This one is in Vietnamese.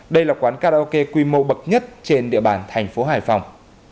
đây là quán karaoke quy mô bậc nhất trên địa bàn thành phố hải phòng